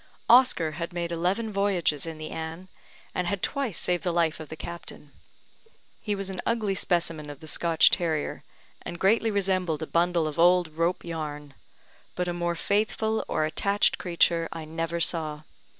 Oscar had made eleven voyages in the Anne, and had twice saved the life of the captain. He was an ugly specimen of the Scotch terrier, and greatly resembled a bundle of old rope yarn; but a more faithful or attached creature I never saw.